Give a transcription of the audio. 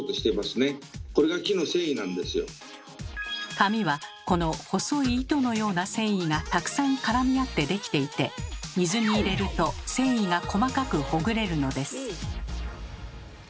紙はこの細い糸のような繊維がたくさん絡み合ってできていて水に入れると繊維が細かくほぐれるのです。